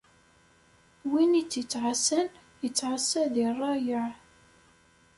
Win i tt-ittɛassan, ittɛassa di rrayeɛ.